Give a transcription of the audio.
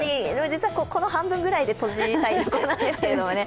実はこの半分ぐらいで閉じたいところなんですけどね。